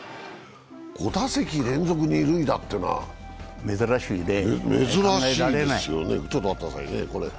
５打席連続二塁打というのは珍しいですよね？